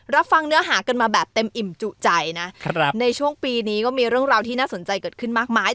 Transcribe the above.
รับฟังเนื้อหากันมาแบบเต็มอิ่มจุใจนะครับในช่วงปีนี้ก็มีเรื่องราวที่น่าสนใจเกิดขึ้นมากมาย